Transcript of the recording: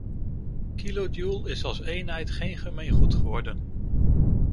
Kilojoule is als eenheid geen gemeengoed geworden.